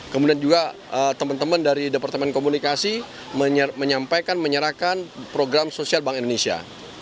kemudian juga teman teman dari departemen komunikasi menyampaikan menyerahkan program sosial bank indonesia